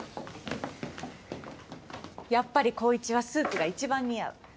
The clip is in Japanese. やっぱり紘一はスーツが一番似合う。